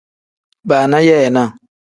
Baana yeenaa.